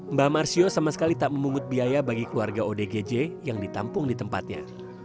mbah marsio sama sekali tak memungut biaya bagi keluarga odgj yang ditampung di tempatnya